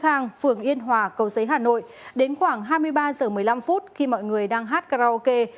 khang phường yên hòa cầu giấy hà nội đến khoảng hai mươi ba h một mươi năm phút khi mọi người đang hát karaoke